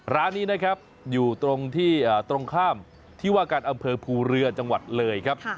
ร้านนี้นะครับอยู่ตรงที่ตรงข้ามที่ว่าการอำเภอภูเรือจังหวัดเลยครับ